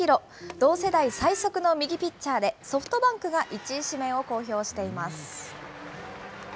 同世代最速の右ピッチャーで、ソフトバンクが１位指名を公表しています。